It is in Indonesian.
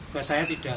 buat saya tidak